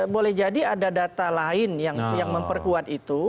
boleh jadi ada data lain yang memperkuat itu